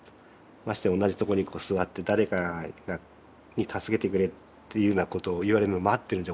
まして同じとこに座って誰かに助けてくれっていうようなことを言われるの待ってるんじゃ遅いんだと。